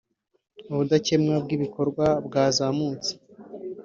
ubudakemwa bw’ibikorwa bwazamutse